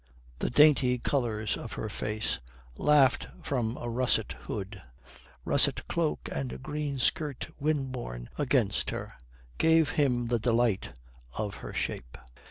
The dainty colours of her face laughed from a russet hood, russet cloak and green skirt wind borne against her gave him the delight of her shape.